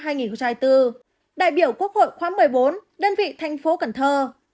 đại biểu quốc hội khóa một mươi bốn đơn vị thành phố cần thơ